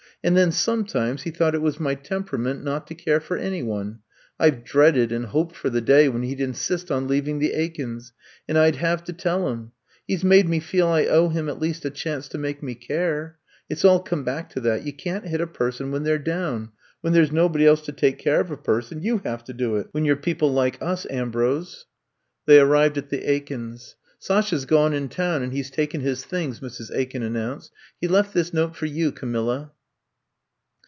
And then, sometimes, he thought it was my tem perament, not to care for any one. I Ve dreaded and hoped for the day when he 'd insist on leaving the Aikens', and I 'd have to tell him. He 's made me feel I owe him at least a chance to make me care. It 's all come back to that — ^you can't hit a per son when they 're down — ^when there 's no body else to take care of a person, you have to do it — ^when you 're people like us, Am brose. '' I'VE COMB TO STAY 185 They arrived at the Aikens \ '^Sasha 's gone in town and he 's taken his things/' Mrs. Aiken announced. ''He left this note for you, Camilla.